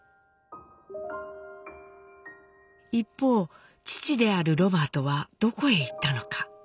一方父であるロバートはどこへ行ったのか。